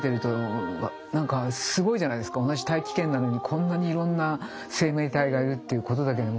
同じ大気圏なのにこんなにいろんな生命体がいるっていうことだけでも。